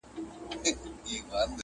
آسمانه ما خو داسي نه غوښتله!.